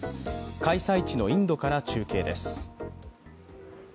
開催地のインドから中継です。